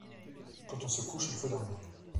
Quand on se couche, il faut dormir.